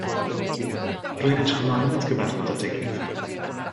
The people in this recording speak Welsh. Rwy'n edrych ymlaen at gyfarfod â Dave.